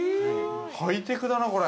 ハイテクだな、これ。